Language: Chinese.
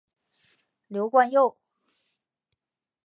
刘冠佑。